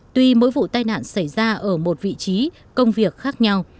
tuy mỗi vụ tai nạn xảy ra ở một vị trí công việc khác nhau